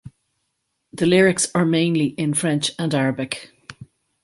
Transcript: The lyrics are mainly in French and Arabic.